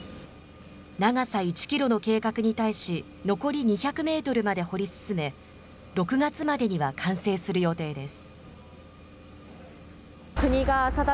長さ１キロの計画に対し、残り２００メートルまで掘り進め、６月までには完成する予定です。